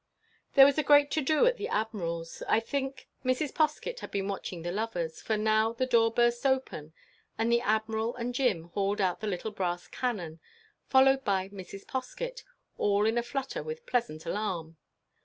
There was a great to do at the Admiral's. I think Mrs. Poskett had been watching the lovers; for now the door burst open, and the Admiral and Jim hauled out the little brass cannon, followed by Mrs. Poskett, all in a flutter with pleasant alarm.